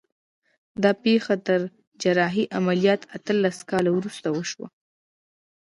دا پېښه تر جراحي عملیات اتلس کاله وروسته وشوه